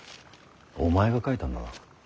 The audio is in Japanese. お前が書いたんだな。